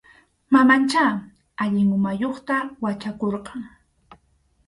Mamanchá allin umayuqta wachakurqan.